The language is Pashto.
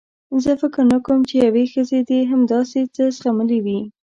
زه فکر نه کوم چې یوې ښځې دې هم داسې څه زغملي وي.